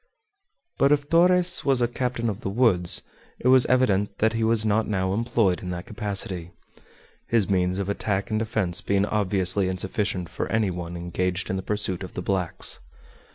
But if Torres was a captain of the woods it was evident that he was not now employed in that capacity, his means of attack and defense being obviously insufficient for any one engaged in the pursuit of the blacks.